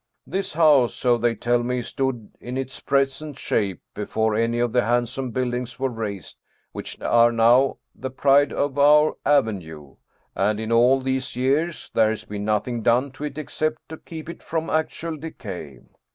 This house, so they tell me, stood in its present shape before any of the handsome build ings were raised which are now the pride of our avenue, and in all these years there has been nothing done to it except to keep it from actual decay.